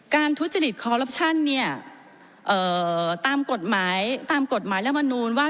การทุจริตคอร์รับชั่นเนี่ยตามกฎหมายและบรรนูลว่า